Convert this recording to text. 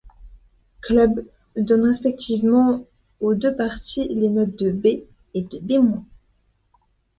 Club, donnent respectivement aux deux parties les notes de B et de B-.